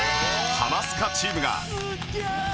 ハマスカチームが